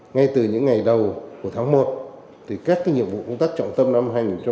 ngay từ những ngày đầu của tháng một các nhiệm vụ công tác trọng tâm năm hai nghìn hai mươi